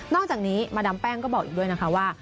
อกจากนี้มาดามแป้งก็บอกอีกด้วยนะคะว่า